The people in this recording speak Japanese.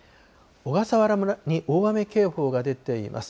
小笠原村に大雨警報が出ています。